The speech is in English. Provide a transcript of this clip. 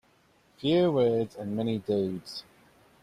Few words and many deeds.